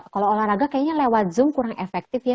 kalau olahraga kayaknya lewat zoom kurang efektif ya